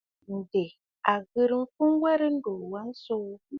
Ǹdè a ghɨrə mfu werə ndùuu wa nsoo.